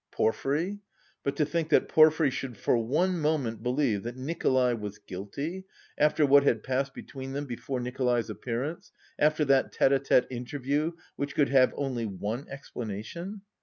Porfiry? But to think that Porfiry should for one moment believe that Nikolay was guilty, after what had passed between them before Nikolay's appearance, after that tête à tête interview, which could have only one explanation?